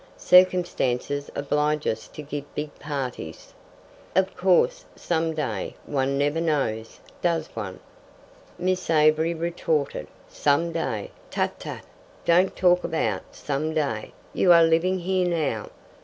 Circumstances oblige us to give big parties. Of course, some day one never knows, does one?" Miss Avery retorted: "Some day! Tcha! tcha! Don't talk about some day. You are living here now."